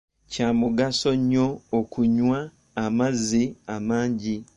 Kya mugaso nnyo okunywa amazzi amangi.